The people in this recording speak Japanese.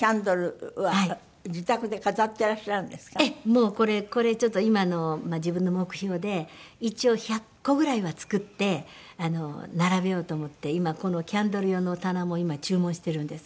もうこれこれちょっと今のまあ自分の目標で一応１００個ぐらいは作って並べようと思って今キャンドル用の棚も今注文してるんです。